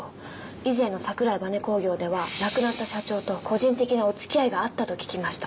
以前の桜井バネ工業では亡くなった社長と個人的なお付き合いがあったと聞きました。